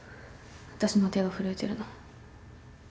私の手が震えてるの。